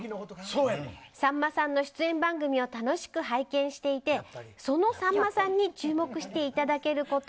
さんまさんの出演番組を楽しく拝見していてそのさんまさんに注目していただけること